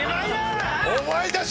お前たち